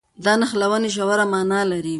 دا نښلونې ژوره مانا لري.